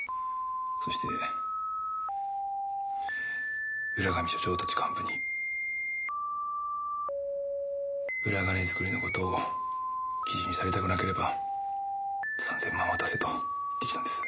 そして浦上署長たち幹部に裏金作りの事を記事にされたくなければ３０００万渡せと言ってきたんです。